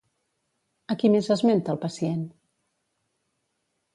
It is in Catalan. A qui més esmenta el pacient?